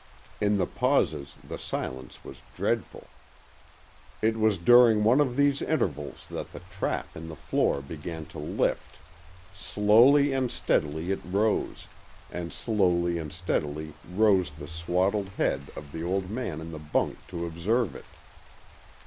In the pauses the silence was dreadful. It was during one of these intervals that the trap in the floor began to lift. Slowly and steadily it rose, and slowly and steadily rose the swaddled head of the old man in the bunk to observe it.